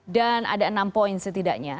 dan ada enam poin setidaknya